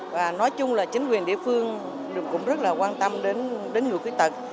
và nói chung là chính quyền địa phương cũng rất là quan tâm đến người khuyết tật